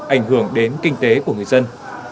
ảnh hưởng đến kinh tế của người dân